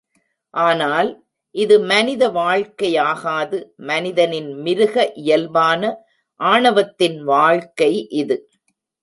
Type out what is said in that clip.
ஆனால், இது மனித வாழ்க்கையாகாது மனிதனின் மிருக இயல்பான ஆணவத்தின் வாழ்க்கை இது.